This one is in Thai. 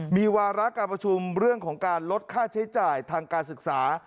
มีวาระการประชุมเรื่องของการลดค่าใช้จ่ายทางการศึกษา